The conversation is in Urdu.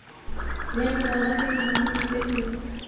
میں مولانا کے مداحوں میں سے ہوں۔